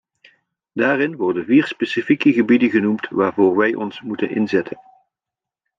Daarin worden vier specifieke gebieden genoemd waarvoor wij ons moeten inzetten.